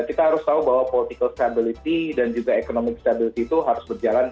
kita harus tahu bahwa political stability dan juga economic stability itu harus berjalan